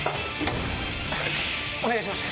お願いします。